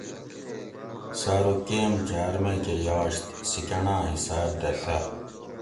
سہ ارو کیم جار میکہ یاشت سیکنڈاں حساب دہ ڷہ